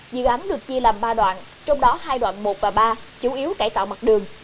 dự án được chia làm ba đoạn trong đó hai đoạn một và ba chủ yếu cải tạo mặt đường